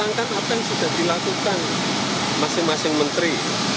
mengangkat apa yang sudah dilakukan masing masing menteri